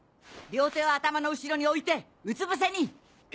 両手を頭の後ろに置いてうつぶせに！